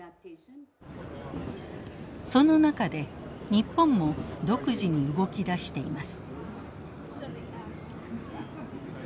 その中で日本も独自に動き出しています。